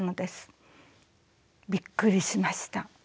びっくりしました。